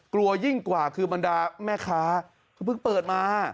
ยิ่งกว่าคือบรรดาแม่ค้าก็เพิ่งเปิดมา